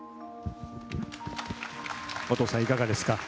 お父さん、いかがですか。